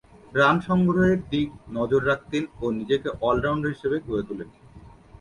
Run সংগ্রহের দিক নজর রাখতেন ও নিজেকে অল-রাউন্ডার হিসেবে গড়ে তুলেন।